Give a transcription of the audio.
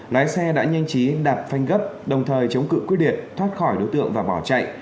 lái xe đã nhanh chí đạp phanh gấp đồng thời chống cự quyết liệt thoát khỏi đối tượng và bỏ chạy